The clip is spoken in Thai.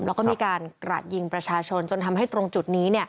แล้วก็มีการกระยิงประชาชนจนทำให้ตรงจุดนี้